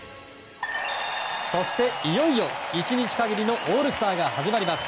そして、いよいよ１日限りのオールスターが始まります。